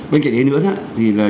bên cạnh đấy nữa thì là